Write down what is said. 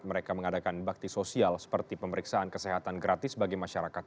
mereka mengadakan bakti sosial seperti pemeriksaan kesehatan gratis bagi masyarakat